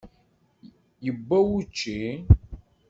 Yewwa wučči?